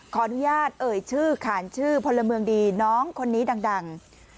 ขออนุญาตเอ่ยชื่อขานชื่อพลเมืองดีน้องคนนี้ดัง